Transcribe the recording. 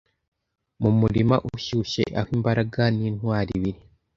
Mu murima ushyushye aho imbaraga nintwari biri,